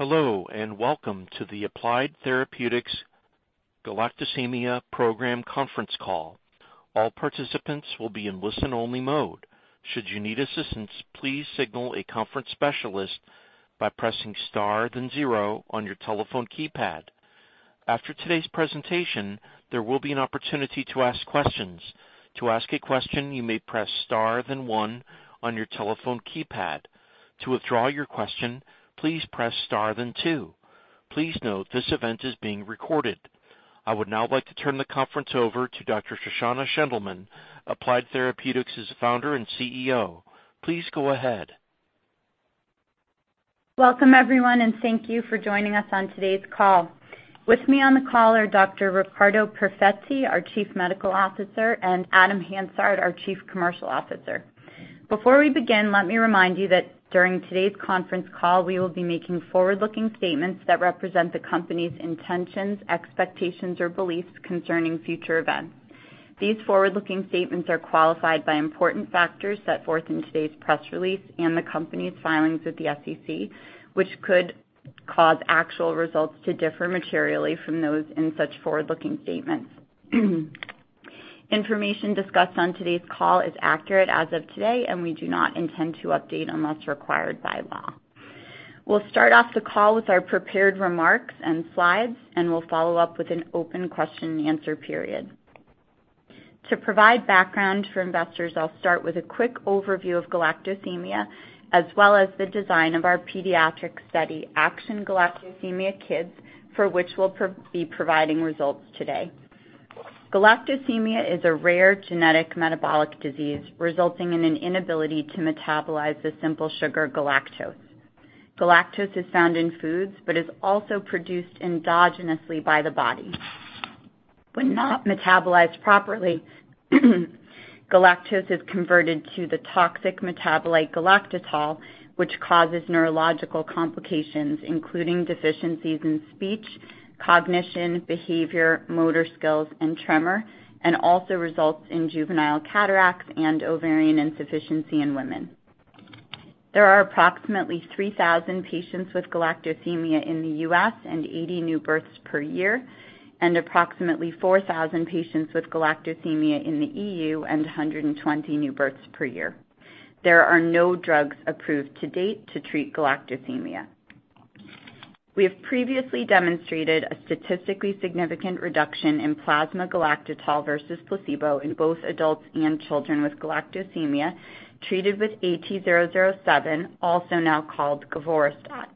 Hello, welcome to the Applied Therapeutics Galactosemia Program Conference Call. All participants will be in listen-only mode. Should you need assistance, please signal a conference specialist by pressing star then zero on your telephone keypad. After today's presentation, there will be an opportunity to ask questions. To ask a question, you may press star then one on your telephone keypad. To withdraw your question, please press star then two. Please note this event is being recorded. I would now like to turn the conference over to Dr. Shoshana Shendelman, Applied Therapeutics' Founder and CEO. Please go ahead. Welcome, everyone, and thank you for joining us on today's call. With me on the call are Dr. Riccardo Perfetti, our Chief Medical Officer, and Adam Hansard, our Chief Commercial Officer. Before we begin, let me remind you that during today's conference call, we will be making forward-looking statements that represent the company's intentions, expectations, or beliefs concerning future events. These forward-looking statements are qualified by important factors set forth in today's press release and the company's filings with the SEC, which could cause actual results to differ materially from those in such forward-looking statements. Information discussed on today's call is accurate as of today, and we do not intend to update unless required by law. We'll start off the call with our prepared remarks and slides, and we'll follow up with an open question and answer period. To provide background for investors, I'll start with a quick overview of Galactosemia, as well as the design of our pediatric study, ACTION-Galactosemia Kids, for which we'll be providing results today. Galactosemia is a rare genetic metabolic disease resulting in an inability to metabolize the simple sugar galactose. Galactose is found in foods but is also produced endogenously by the body. When not metabolized properly, galactose is converted to the toxic metabolite galactitol, which causes neurological complications, including deficiencies in speech, cognition, behavior, motor skills, and tremor, and also results in juvenile cataracts and ovarian insufficiency in women. There are approximately 3,000 patients with Galactosemia in the U.S. and 80 new births per year, and approximately 4,000 patients with Galactosemia in the E.U. and 120 new births per year. There are no drugs approved to date to treat Galactosemia. We have previously demonstrated a statistically significant reduction in plasma galactitol versus placebo in both adults and children with Galactosemia treated with AT-007, also now called Govorestat.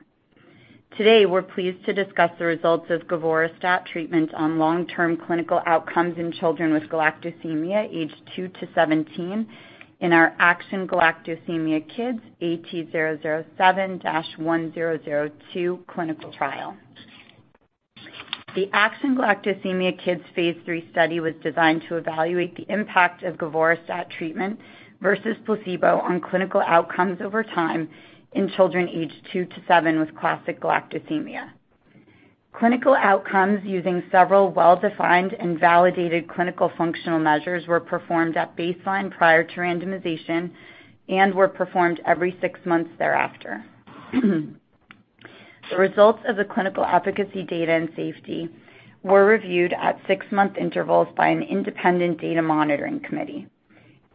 Today, we're pleased to discuss the results of Govorestat treatment on long-term clinical outcomes in children with Galactosemia aged two to 17 in our ACTION-Galactosemia Kids AT-007-1002 clinical trial. The ACTION-Galactosemia Kids phase III study was designed to evaluate the impact of Govorestat treatment versus placebo on clinical outcomes over time in children aged two to seven with Classic Galactosemia. Clinical outcomes using several well-defined and validated clinical functional measures were performed at baseline prior to randomization and were performed every six months thereafter. The results of the clinical efficacy data and safety were reviewed at six-month intervals by an independent data monitoring committee.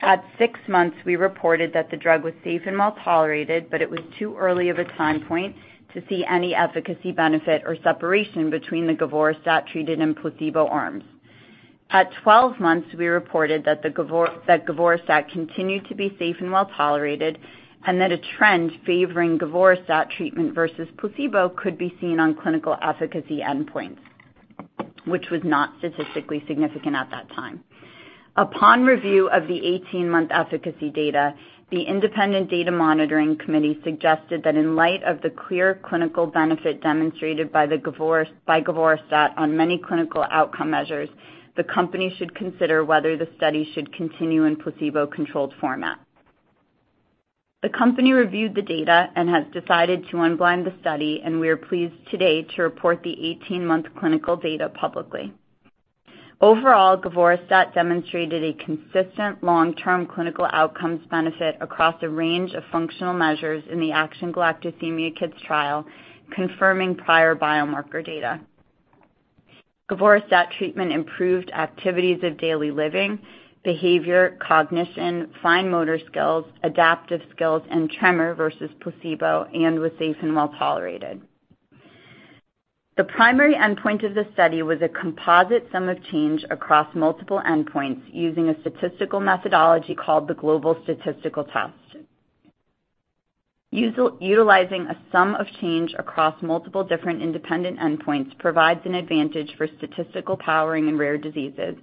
At six months, we reported that the drug was safe and well-tolerated. It was too early of a time point to see any efficacy benefit or separation between the Govorestat treated and placebo arms. At 12 months, we reported that Govorestat continued to be safe and well-tolerated and that a trend favoring Govorestat treatment versus placebo could be seen on clinical efficacy endpoints, which was not statistically significant at that time. Upon review of the 18-month efficacy data, the independent data monitoring committee suggested that in light of the clear clinical benefit demonstrated by Govorestat on many clinical outcome measures, the company should consider whether the study should continue in placebo-controlled format. The company reviewed the data and has decided to unblind the study. We are pleased today to report the 18-month clinical data publicly. Overall, Govorestat demonstrated a consistent long-term clinical outcomes benefit across a range of functional measures in the ACTION-Galactosemia Kids trial, confirming prior biomarker data. Govorestat treatment improved activities of daily living, behavior, cognition, fine motor skills, adaptive skills, and tremor versus placebo and was safe and well-tolerated. The primary endpoint of the study was a composite sum of change across multiple endpoints using a statistical methodology called the Global Statistical Test. Utilizing a sum of change across multiple different independent endpoints provides an advantage for statistical powering in rare diseases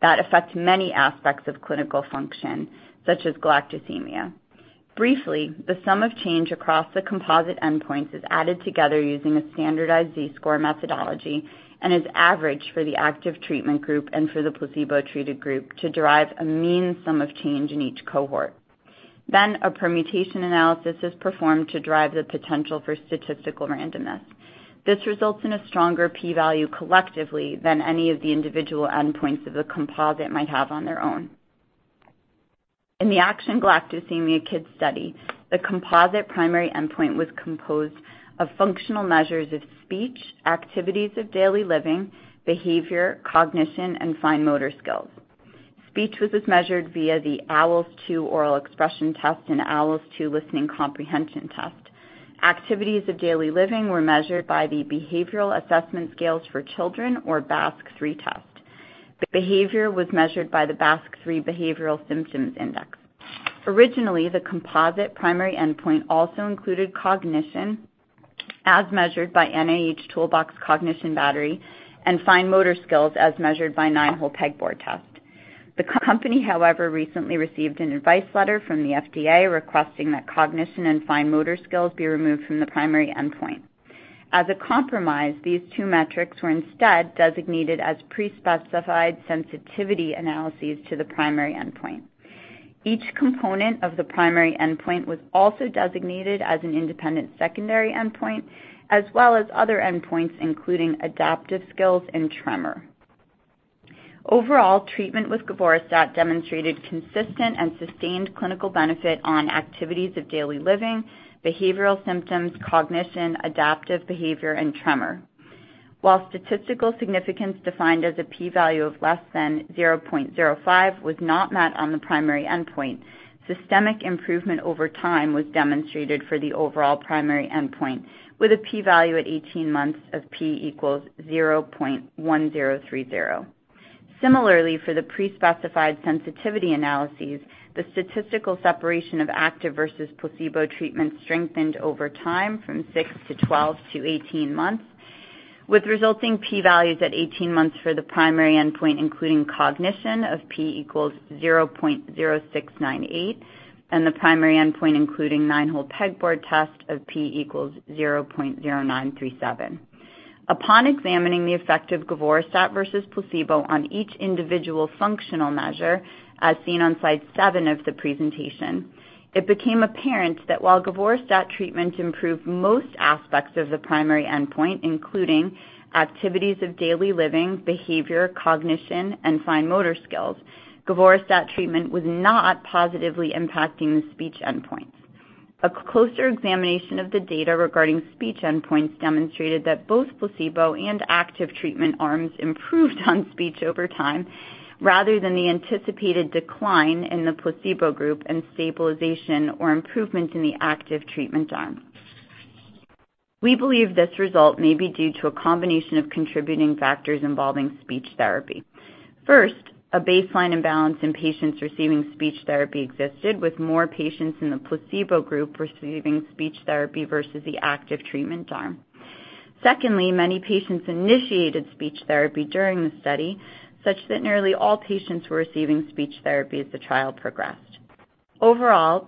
that affect many aspects of clinical function, such as Galactosemia. Briefly, the sum of change across the composite endpoints is added together using a standardized Z-score methodology and is averaged for the active treatment group and for the placebo-treated group to derive a mean sum of change in each cohort. A permutation analysis is performed to derive the potential for statistical randomness. This results in a stronger P value collectively than any of the individual endpoints of the composite might have on their own. In the ACTION-Galactosemia Kids study, the composite primary endpoint was composed of functional measures of speech, activities of daily living, behavior, cognition, and fine motor skills. Speech was measured via the OWLS-II Oral Expression and OWLS-II Listening Comprehension. Activities of daily living were measured by the Behavioral Assessment System for Children or BASC-3 test. Behavior was measured by the BASC-3 Behavioral Symptoms Index. Originally, the composite primary endpoint also included cognition as measured by NIH Toolbox Cognition Battery and fine motor skills as measured by Nine-Hole Peg Test. The company, however, recently received an advice letter from the FDA requesting that cognition and fine motor skills be removed from the primary endpoint. As a compromise, these two metrics were instead designated as pre-specified sensitivity analyses to the primary endpoint. Each component of the primary endpoint was also designated as an independent secondary endpoint, as well as other endpoints, including adaptive skills and tremor. Overall, treatment with Govorestat demonstrated consistent and sustained clinical benefit on activities of daily living, behavioral symptoms, cognition, adaptive behavior, and tremor. While statistical significance defined as a p value of less than 0.05 was not met on the primary endpoint, systemic improvement over time was demonstrated for the overall primary endpoint, with a p value at 18 months of p equals 0.1030. Similarly, for the pre-specified sensitivity analyses, the statistical separation of active versus placebo treatment strengthened over time from six to 12 to 18 months, with resulting p values at 18 months for the primary endpoint, including cognition of p=0.0698 and the primary endpoint, including Nine-Hole Peg Test of p=0.0937. Upon examining the effect of Govorestat versus placebo on each individual functional measure, as seen on slide seven of the presentation, it became apparent that while Govorestat treatment improved most aspects of the primary endpoint, including activities of daily living, behavior, cognition, and fine motor skills, Govorestat treatment was not positively impacting the speech endpoints. A closer examination of the data regarding speech endpoints demonstrated that both placebo and active treatment arms improved on speech over time, rather than the anticipated decline in the placebo group and stabilization or improvement in the active treatment arm. We believe this result may be due to a combination of contributing factors involving speech therapy. First, a baseline imbalance in patients receiving speech therapy existed, with more patients in the placebo group receiving speech therapy versus the active treatment arm. Many patients initiated speech therapy during the study, such that nearly all patients were receiving speech therapy as the trial progressed.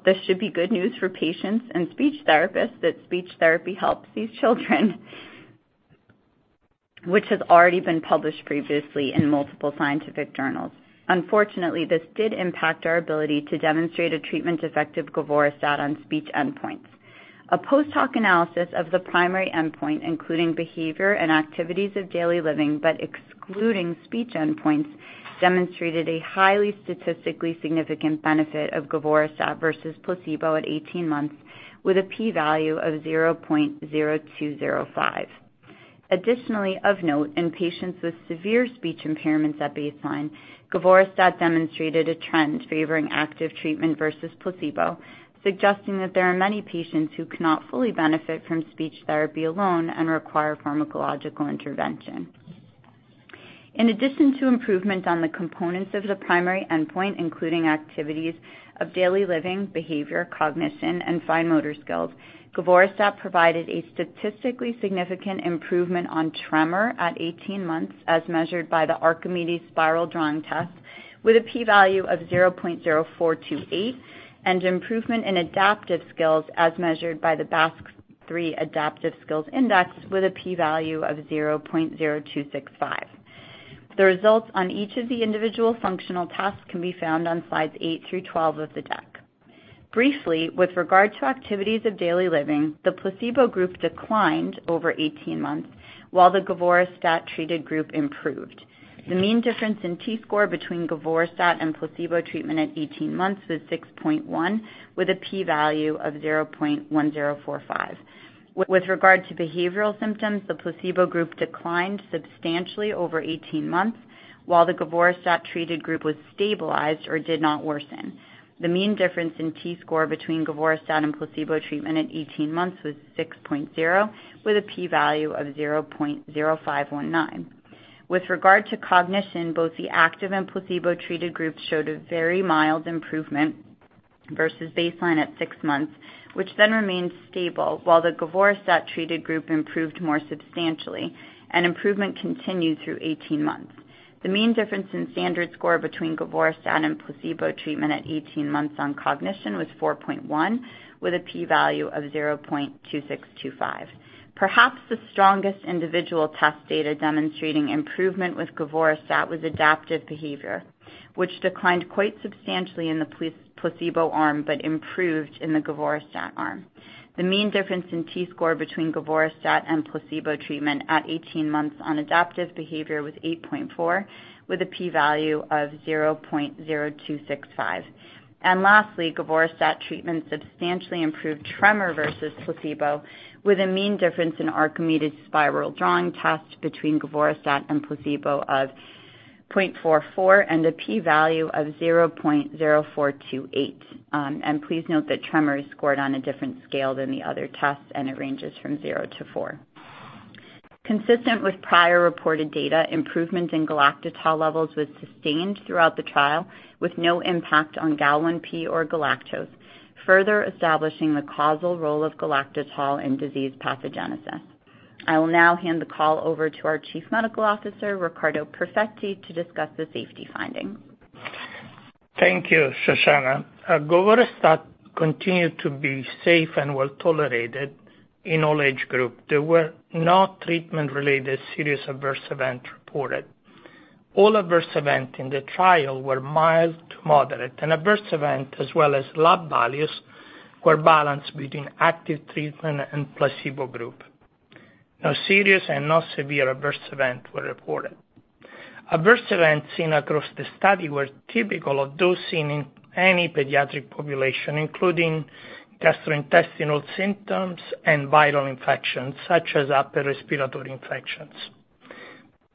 This should be good news for patients and speech therapists that speech therapy helps these children which has already been published previously in multiple scientific journals. This did impact our ability to demonstrate a treatment effect of Govorestat on speech endpoints. A post-hoc analysis of the primary endpoint, including behavior and activities of daily living but excluding speech endpoints, demonstrated a highly statistically significant benefit of Govorestat versus placebo at 18 months, with a p value of 0.0205. Additionally, of note, in patients with severe speech impairments at baseline, Govorestat demonstrated a trend favoring active treatment versus placebo, suggesting that there are many patients who cannot fully benefit from speech therapy alone and require pharmacological intervention. In addition to improvement on the components of the primary endpoint, including activities of daily living, behavior, cognition, and fine motor skills, Govorestat provided a statistically significant improvement on tremor at 18 months, as measured by the Archimedes spiral test with a p value of 0.0428, and improvement in adaptive skills as measured by the BASC-3 Adaptive Skills Index with a p value of 0.0265. The results on each of the individual functional tasks can be found on slides eight through 12 of the deck. Briefly, with regard to activities of daily living, the placebo group declined over 18 months, while the Govorestat-treated group improved. The mean difference in T-score between Govorestat and placebo treatment at 18 months was 6.1, with a p value of 0.1045. With regard to behavioral symptoms, the placebo group declined substantially over 18 months, while the Govorestat-treated group was stabilized or did not worsen. The mean difference in T-score between Govorestat and placebo treatment at 18 months was 6.0, with a p value of 0.0519. With regard to cognition, both the active and placebo-treated groups showed a very mild improvement versus baseline at six months, which then remained stable, while the Govorestat-treated group improved more substantially, and improvement continued through 18 months. The mean difference in standard score between Govorestat and placebo treatment at 18 months on cognition was 4.1, with a p value of 0.2625. Perhaps the strongest individual test data demonstrating improvement with Govorestat was adaptive behavior, which declined quite substantially in the placebo arm, but improved in the Govorestat arm. The mean difference in T-score between Govorestat and placebo treatment at 18 months on adaptive behavior was 8.4, with a p value of 0.0265. Lastly, Govorestat treatment substantially improved tremor versus placebo with a mean difference in Archimedes spiral drawing test between Govorestat and placebo of 0.44, and a p value of 0.0428. Please note that tremor is scored on a different scale than the other tests, and it ranges from zero to four. Consistent with prior reported data, improvements in galactitol levels was sustained throughout the trial with no impact on Gal-1p or galactose, further establishing the causal role of galactitol in disease pathogenesis. I will now hand the call over to our Chief Medical Officer, Riccardo Perfetti, to discuss the safety findings. Thank you, Shoshana. Govorestat continued to be safe and well-tolerated in all age group. There were no treatment-related serious adverse events reported. All adverse events in the trial were mild to moderate, and adverse events, as well as lab values, were balanced between active treatment and placebo group. No serious and no severe adverse events were reported. Adverse events seen across the study were typical of those seen in any pediatric population, including gastrointestinal symptoms and viral infections, such as upper respiratory infections.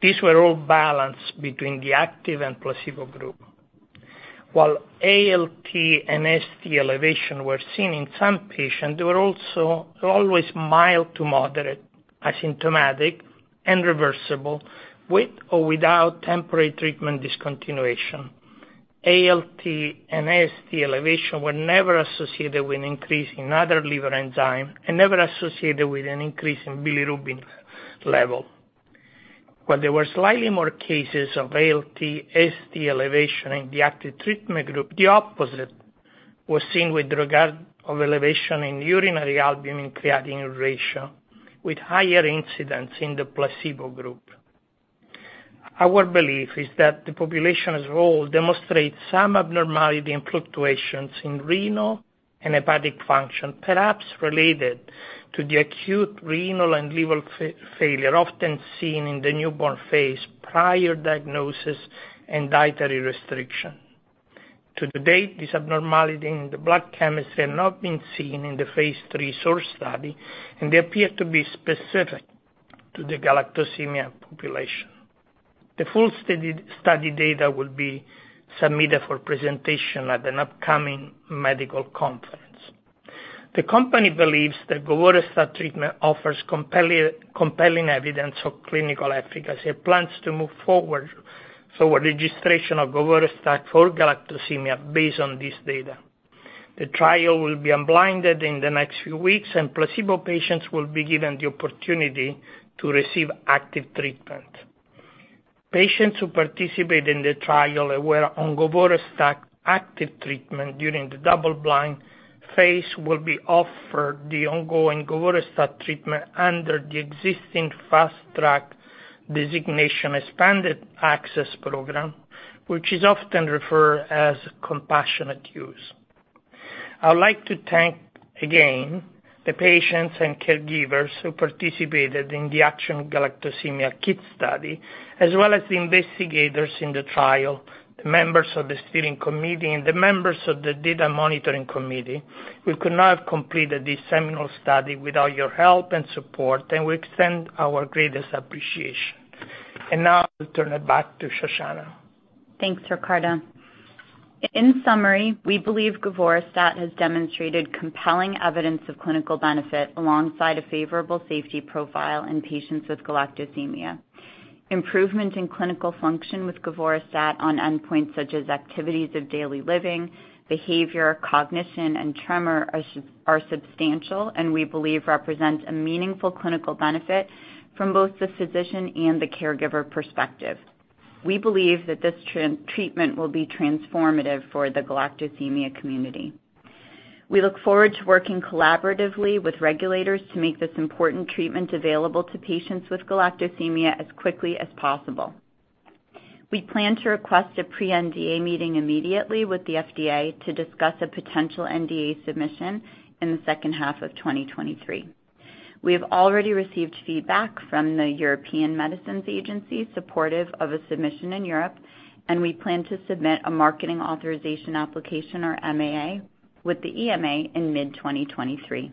These were all balanced between the active and placebo group. While ALT and AST elevation were seen in some patients, they were also always mild to moderate, asymptomatic, and reversible, with or without temporary treatment discontinuation. ALT and AST elevation were never associated with an increase in other liver enzyme and never associated with an increase in bilirubin level. While there were slightly more cases of ALT/AST elevation in the active treatment group, the opposite was seen with regard of elevation in urinary albumin-creatinine ratio, with higher incidence in the placebo group. Our belief is that the population as a whole demonstrates some abnormality and fluctuations in renal and hepatic function, perhaps related to the acute renal and liver failure often seen in the newborn phase prior diagnosis and dietary restriction. To date, this abnormality in the blood chemistry had not been seen in the phase III SOURCE study, and they appear to be specific to the Galactosemia population. The full study data will be submitted for presentation at an upcoming medical conference. The company believes that Govorestat treatment offers compelling evidence of clinical efficacy. It plans to move forward for registration of Govorestat for Galactosemia based on this data. The trial will be unblinded in the next few weeks, and placebo patients will be given the opportunity to receive active treatment. Patients who participate in the trial and were on Govorestat active treatment during the double-blind phase will be offered the ongoing Govorestat treatment under the existing Fast Track Designation Expanded Access Program, which is often referred as compassionate use. I would like to thank again the patients and caregivers who participated in the ACTION-Galactosemia Kids study, as well as the investigators in the trial, the members of the steering committee, and the members of the data monitoring committee. We could not have completed this seminal study without your help and support, and we extend our greatest appreciation. Now I'll turn it back to Shoshana. Thanks, Riccardo. In summary, we believe Govorestat has demonstrated compelling evidence of clinical benefit alongside a favorable safety profile in patients with Galactosemia. Improvement in clinical function with Govorestat on endpoints such as activities of daily living, behavior, cognition, and tremor are substantial and we believe represent a meaningful clinical benefit from both the physician and the caregiver perspective. We believe that this treatment will be transformative for the Galactosemia community. We look forward to working collaboratively with regulators to make this important treatment available to patients with Galactosemia as quickly as possible. We plan to request a pre-NDA meeting immediately with the FDA to discuss a potential NDA submission in the second half of 2023. We have already received feedback from the European Medicines Agency supportive of a submission in Europe. We plan to submit a Marketing Authorization Application or MAA with the EMA in mid-2023.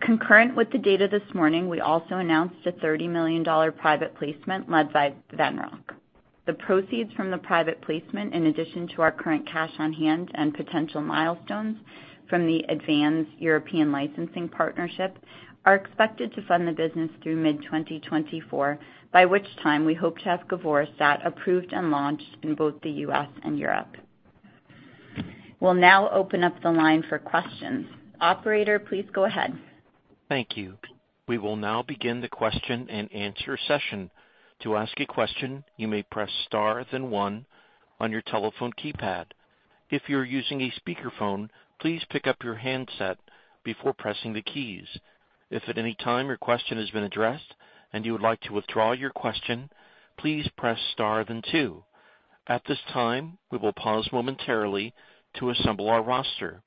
Concurrent with the data this morning, we also announced a $30 million private placement led by Venrock. The proceeds from the private placement, in addition to our current cash on hand and potential milestones from the advanced European licensing partnership, are expected to fund the business through mid-2024, by which time we hope to have Govorestat approved and launched in both the U.S. and Europe. We'll now open up the line for questions. Operator, please go ahead. Thank you. We will now begin the question and answer session. To ask a question, you may press star then one on your telephone keypad. If you're using a speakerphone, please pick up your handset before pressing the keys. If at any time your question has been addressed and you would like to withdraw your question, please press star then two. At this time, we will pause momentarily to assemble our roster.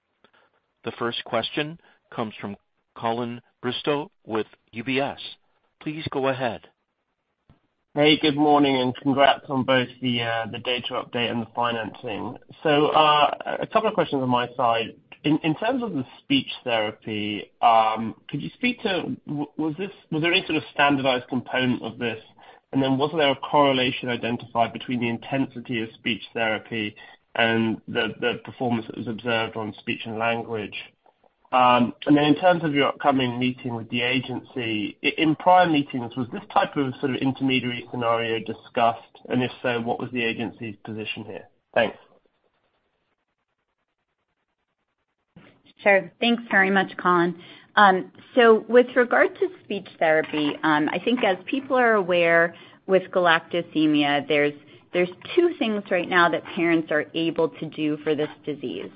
The first question comes from Colin Bristow with UBS. Please go ahead. Hey, good morning, congrats on both the data update and the financing. Two questions on my side. In terms of the speech therapy, could you speak to was there any sort of standardized component of this? Was there a correlation identified between the intensity of speech therapy and the performance that was observed on speech and language? In terms of your upcoming meeting with the agency, in prior meetings, was this type of sort of intermediary scenario discussed, and if so, what was the agency's position here? Thanks. Sure. Thanks very much, Colin. With regard to speech therapy, I think as people are aware with Galactosemia, there's two things right now that parents are able to do for this disease.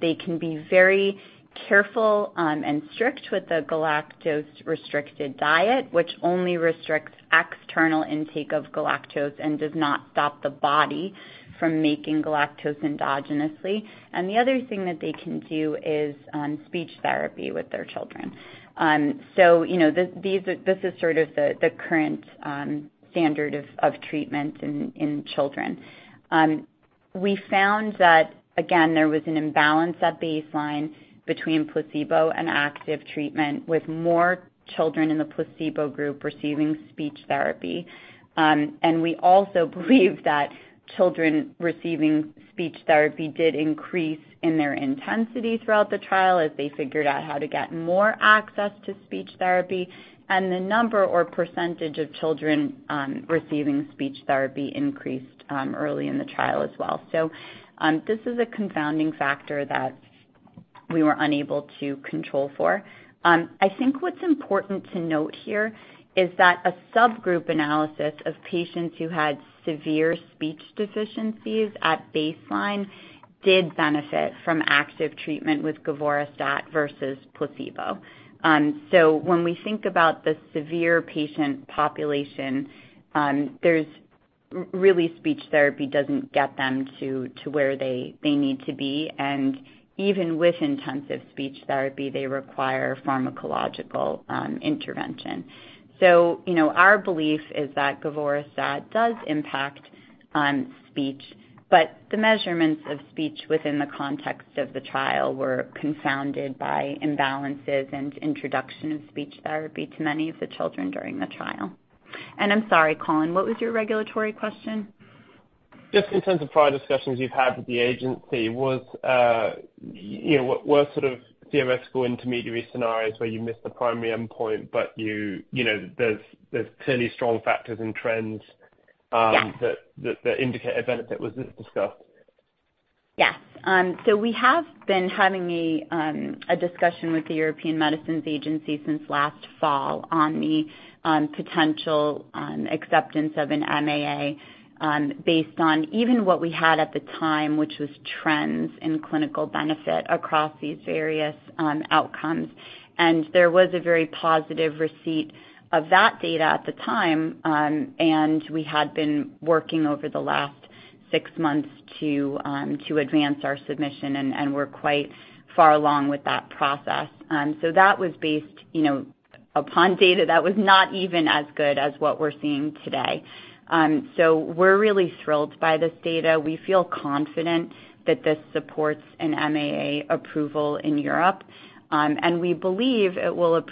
They can be very careful and strict with the galactose-restricted diet, which only restricts external intake of galactose and does not stop the body from making galactose endogenously. The other thing that they can do is speech therapy with their children. You know, this is sort of the current standard of treatment in children. We found that, again, there was an imbalance at baseline between placebo and active treatment, with more children in the placebo group receiving speech therapy. We also believe that children receiving speech therapy did increase in their intensity throughout the trial as they figured out how to get more access to speech therapy. The number or percentage of children receiving speech therapy increased early in the trial as well. This is a confounding factor that we were unable to control for. I think what's important to note here is that a subgroup analysis of patients who had severe speech deficiencies at baseline did benefit from active treatment with Govorestat versus placebo. When we think about the severe patient population, really, speech therapy doesn't get them to where they need to be, and even with intensive speech therapy, they require pharmacological intervention. You know, our belief is that Govorestat does impact speech, but the measurements of speech within the context of the trial were confounded by imbalances and introduction of speech therapy to many of the children during the trial. I'm sorry, Colin, what was your regulatory question? Just in terms of prior discussions you've had with the agency, was, you know, what sort of theoretical intermediary scenarios where you missed the primary endpoint, but you know, there's clearly strong factors and trends? Yes. That indicate a benefit. Was this discussed? Yes. We have been having a discussion with the European Medicines Agency since last fall on the potential acceptance of an MAA based on even what we had at the time, which was trends in clinical benefit across these various outcomes. There was a very positive receipt of that data at the time, and we had been working over the last six months to advance our submission, and we're quite far along with that process. That was based, you know, upon data that was not even as good as what we're seeing today. We're really thrilled by this data. We feel confident that this supports an MAA approval in Europe. And we believe it will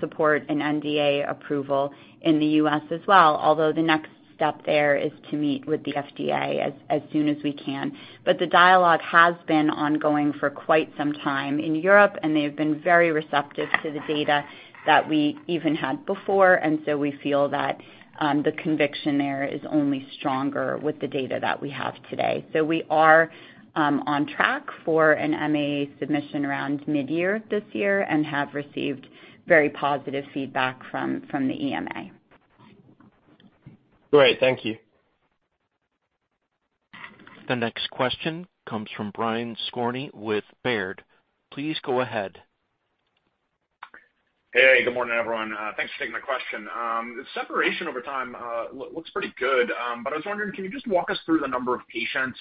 support an NDA approval in the U.S. as well, although the next step there is to meet with the FDA as soon as we can. The dialogue has been ongoing for quite some time in Europe, and they have been very receptive to the data that we even had before. We feel that the conviction there is only stronger with the data that we have today. We are on track for an MAA submission around mid-year this year and have received very positive feedback from the EMA. Great. Thank you. The next question comes from Brian Skorney with Baird. Please go ahead. Hey, good morning, everyone. Thanks for taking my question. The separation over time looks pretty good. I was wondering, can you just walk us through the number of patients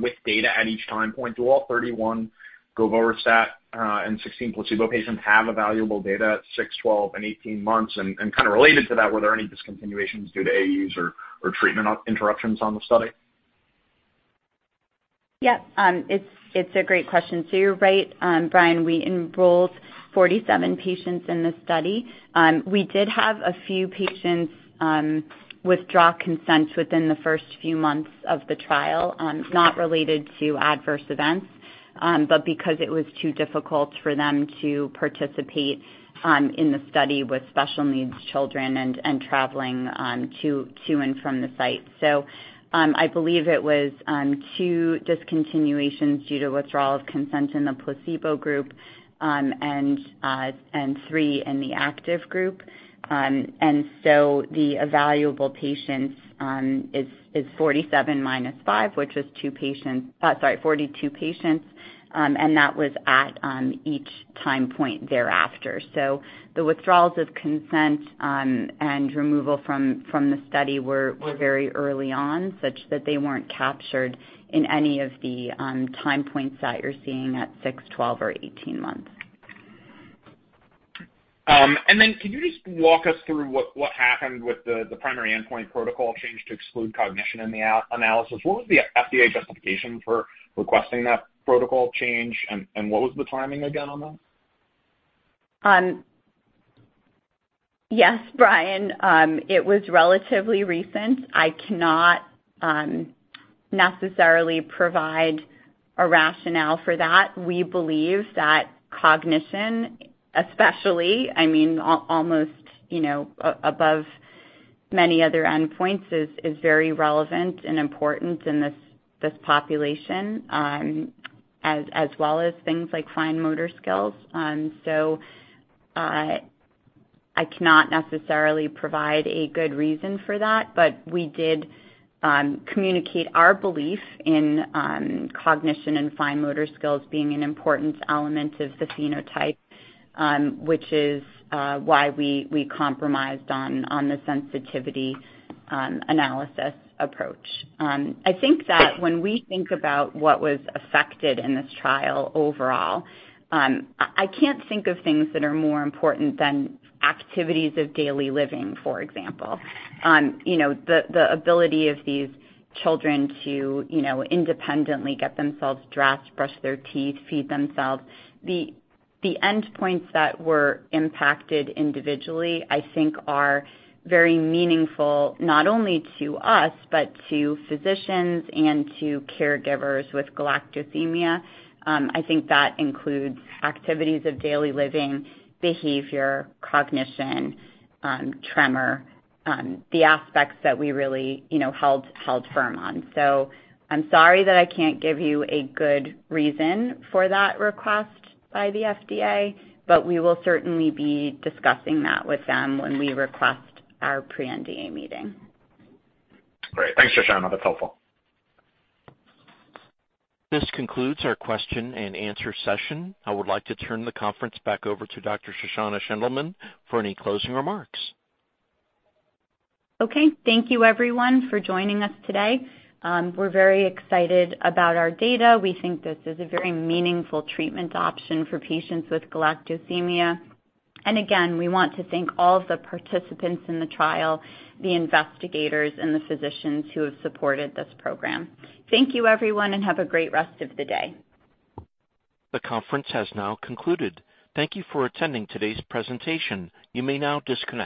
with data at each time point? Do all 31 Govorestat and 16 placebo patients have evaluable data at six, 12, and 18 months? Kinda related to that, were there any discontinuations due to AEs or treatment interruptions on the study? Yeah. It's a great question. You're right, Brian, we enrolled 47 patients in this study. We did have a few patients withdraw consent within the first few months of the trial, not related to adverse events, but because it was too difficult for them to participate in the study with special needs children and traveling to and from the site. I believe it was t discontinuations due to withdrawal of consent in the placebo group, and three in the active group. The evaluable patients is 47 minus five, which is two patients. Sorry, 42 patients, and that was at each time point thereafter. The withdrawals of consent, and removal from the study were very early on, such that they weren't captured in any of the time points that you're seeing at six, 12 or 18 months. Could you just walk us through what happened with the primary endpoint protocol change to exclude cognition in the analysis? What was the FDA justification for requesting that protocol change and what was the timing again on that? Yes, Brian. It was relatively recent. I cannot necessarily provide a rationale for that. We believe that cognition especially, I mean, almost, you know, above many other endpoints is very relevant and important in this population, as well as things like fine motor skills. I cannot necessarily provide a good reason for that, but we did communicate our belief in cognition and fine motor skills being an important element of the phenotype, which is why we compromised on the sensitivity analysis approach. I think that when we think about what was affected in this trial overall, I can't think of things that are more important than activities of daily living, for example. You know, the ability of these children to, you know, independently get themselves dressed, brush their teeth, feed themselves. The endpoints that were impacted individually, I think are very meaningful, not only to us, but to physicians and to caregivers with Galactosemia. I think that includes activities of daily living, behavior, cognition, tremor, the aspects that we really, you know, held firm on. I'm sorry that I can't give you a good reason for that request by the FDA, but we will certainly be discussing that with them when we request our pre-NDA meeting. Great. Thanks, Shoshana. That's helpful. This concludes our question and answer session. I would like to turn the conference back over to Dr. Shoshana Shendelman for any closing remarks. Okay. Thank you everyone for joining us today. We're very excited about our data. We think this is a very meaningful treatment option for patients with Galactosemia. Again, we want to thank all of the participants in the trial, the investigators and the physicians who have supported this program. Thank you, everyone, and have a great rest of the day. The conference has now concluded. Thank you for attending today's presentation. You may now disconnect.